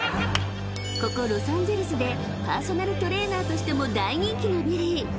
［ここロサンゼルスでパーソナルトレーナーとしても大人気のビリー］